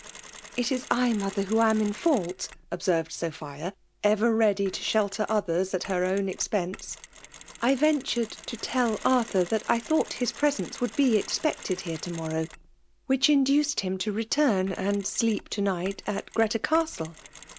" It is /, mother, who am in fault,"*— observed Sophia, ever ready to shelter others at her own expense. "I" ventured to tiell Arthur that I thought his presence'would be expected here to morrow ; which induced him to return and sleep to night at Greta Castle."